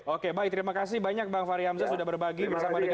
oke baik terima kasih banyak bang fahri hamzah sudah berbagi bersama dengan kami